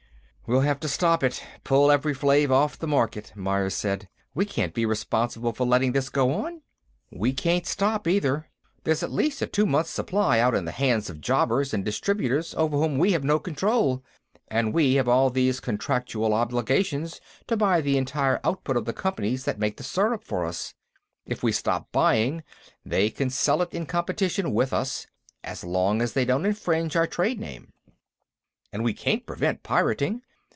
"We'll have to stop it; pull Evri Flave off the market," Myers said. "We can't be responsible for letting this go on." "We can't stop, either. There's at least a two months' supply out in the hands of jobbers and distributors over whom we have no control. And we have all these contractual obligations, to buy the entire output of the companies that make the syrup for us; if we stop buying, they can sell it in competition with us, as long as they don't infringe our trade name. And we can't prevent pirating.